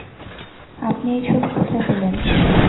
আপনি এই ছবি কোথায় পেলেন?